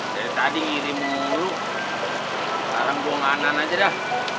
dari tadi ngirim ke logr zarang banget aja dah